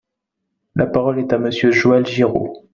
La parole est à Monsieur Joël Giraud.